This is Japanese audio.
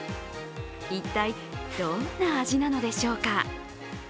一体どんな味なのでしょうか。